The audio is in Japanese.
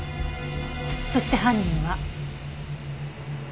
そして犯人は。